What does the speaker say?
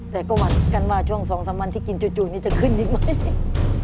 แต่ก็หวัดกันว่าช่วง๒๓วันที่กินจู่นี้จะขึ้นอีกไหม